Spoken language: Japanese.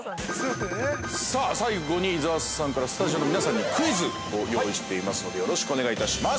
最後に、伊沢さんから、スタジオの皆さんに、クイズを用意していますので、よろしくお願いいたします。